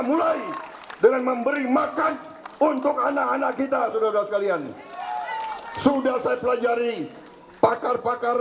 mulai dengan memberi makan untuk anak anak kita saudara saudara sekalian sudah saya pelajari pakar pakar